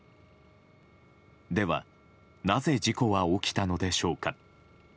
では、なぜ事故は起きたのでしょうか。